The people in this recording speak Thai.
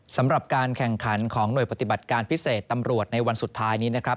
สำหรับการแข่งขันของหน่วยปฏิบัติการพิเศษตำรวจในวันสุดท้ายนี้นะครับ